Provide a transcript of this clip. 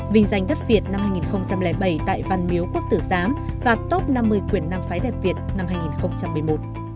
vinh danh đất việt năm hai nghìn bảy tại văn miếu quốc tử giám và top năm mươi quyền năng phái đẹp việt năm hai nghìn một mươi một